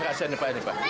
saya merasakan pak ini pak